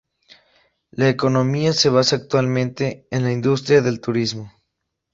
La economía se basa actualmente en la industria del turismo.